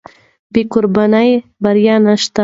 بې قربانۍ بریا نشته.